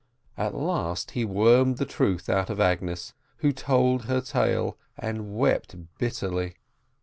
At last he wormed the truth out of Agnes, who told her tale, and wept bitterly.